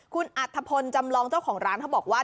คุณอัธพลจำลองเจ้าของร้านเขาบอกว่า